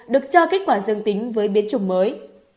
được cho kết quả dương tính với biến chủng mới